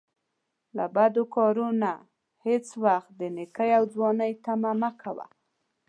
له بدکارو نه هیڅ وخت د نیکۍ او ځوانۍ طمعه مه کوه